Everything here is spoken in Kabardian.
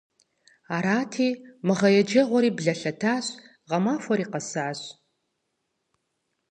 Арати, мы гъэ еджэгъуэри блэлъэтащ, гъэмахуэри къэсащ.